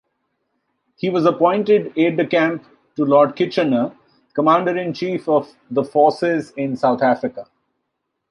He was appointed Aide-de-camp to Lord Kitchener, Commander-in-Chief of the Forces in South Africa.